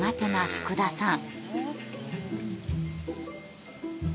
福田さん